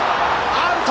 アウト！